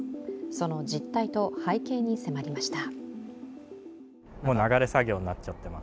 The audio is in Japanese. その実態と背景に迫りました。